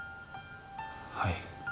はい。